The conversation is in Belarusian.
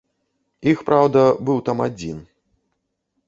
Іх, праўда, быў там адзін.